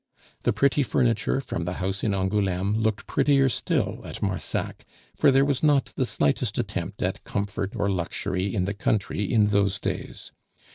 The pretty furniture from the house in Angouleme looked prettier still at Marsac, for there was not the slightest attempt at comfort or luxury in the country in those days.